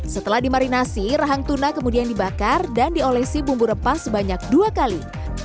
setelah dimarinasi rahang tuna kemudian dibakar dan diolesi bumbu rempah sebanyak dua kali